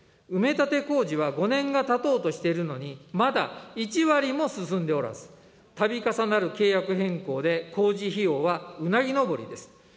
埋め立て工事は５年がたとうとしているのに、まだ１割も進んでおらず、たび重なる契約変更で工事費用はうなぎ登りです。